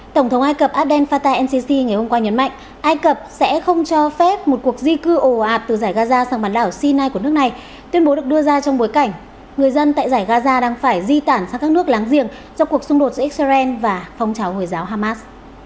tổng thống ai cập abdel fattah el sisi ngày hôm qua nhấn mạnh ai cập sẽ không cho phép một cuộc di cư ồ ạp từ giải gaza sang bản đảo sinai của nước này tuyên bố được đưa ra trong bối cảnh người dân tại giải gaza đang phải di tản sang các nước láng giềng trong cuộc xung đột giữa israel và phong trào hồi giáo hamas